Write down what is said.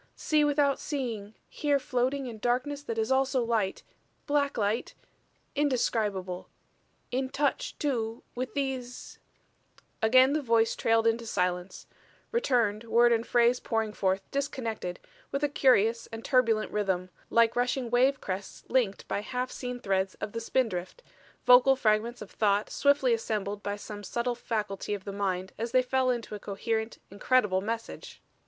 "See without seeing here floating in darkness that is also light black light indescribable. In touch, too, with these " Again the voice trailed into silence; returned, word and phrase pouring forth disconnected, with a curious and turbulent rhythm, like rushing wave crests linked by half seen threads of the spindrift, vocal fragments of thought swiftly assembled by some subtle faculty of the mind as they fell into a coherent, incredible message.